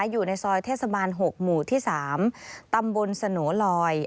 อยู่ในซอยเทศบาล๖หมู่ที่๓ตำบลสโนลอย